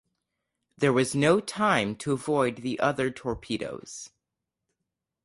There was no time to avoid the other torpedoes.